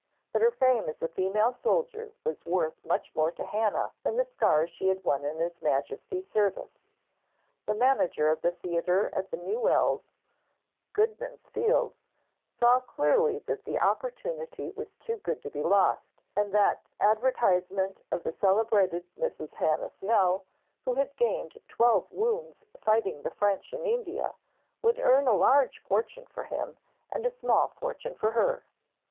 But her fame as a female soldier was worth much more to Hannah than the scars she had won in His Majesty's service. The manager of the theatre at the New Wells, Goodman's Fields, saw clearly that the opportunity was too good to be lost, and that advertisement of 'the celebrated Mrs. Hannah Snell, who had gained twelve wounds fighting the French in India,' would earn a large fortune for him, and a small fortune for her.